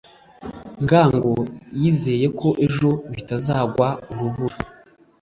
ngago yizeye ko ejo bitazagwa urubura.